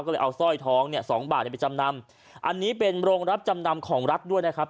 ก็เลยเอาสร้อยท้องเนี่ยสองบาทไปจำนำอันนี้เป็นโรงรับจำนำของรัฐด้วยนะครับ